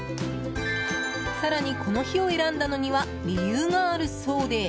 更に、この日を選んだのには理由があるそうで。